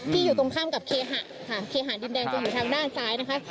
อยู่ตรงข้ามกับเคหะค่ะเคหาดินแดงจะอยู่ทางด้านซ้ายนะคะ